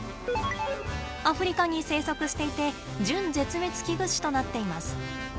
アフリカに生息していて準絶滅危惧種となっています。